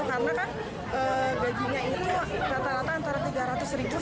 lalu gaji honorer lebih dimanisikan untuk wmr